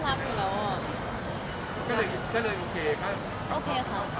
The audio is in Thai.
ไม่คือ